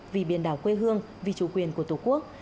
vì biển đảo quê hương vì chủ quyền của tổ quốc